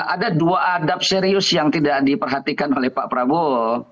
ada dua adab serius yang tidak diperhatikan oleh pak prabowo